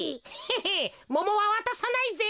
へっモモはわたさないぜ。